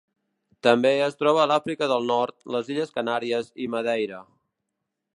També es troba a l'Àfrica del Nord, les illes Canàries i Madeira.